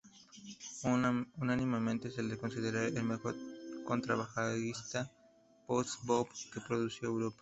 Unánimemente se le considera el "mejor contrabajista post bop que ha producido Europa",